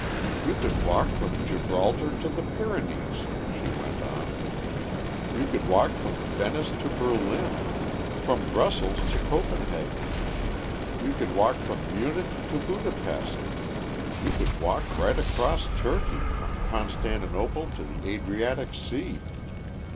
"You could walk from Gibraltar to the Pyrenees," she went on. "You could walk from Venice to Berlin; from Brussels to Copenhagen; you could walk from Munich to Budapest; you could walk right across Turkey, from Constantinople to the Adriatic Sea.